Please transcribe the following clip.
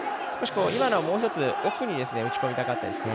もう１つ奥に打ち込みたかったですね。